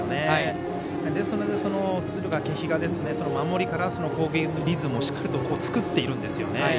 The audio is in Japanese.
なので敦賀気比が守りから攻撃のリズムをしっかりと作ってるんですね。